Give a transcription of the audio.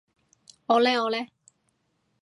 我呢我呢？